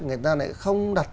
người ta lại không đặt